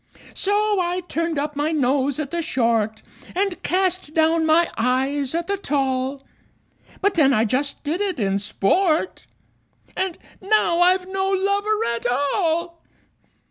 So I turned up my nose at the short, And cast down my eyes at the tall; But then I just did it in sport And now I've no lover at all!